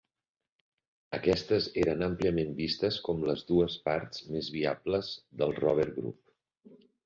Aquestes eren àmpliament vistes com les dues parts més viables del Rover Group.